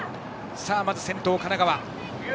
まず先頭、神奈川。